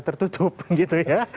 tertutup gitu ya